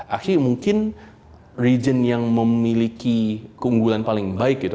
actual mungkin region yang memiliki keunggulan paling baik gitu